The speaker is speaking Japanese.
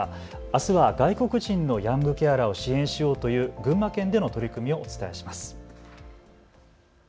あすは外国人のヤングケアラーを支援しようという群馬県での取り組みをお伝えします。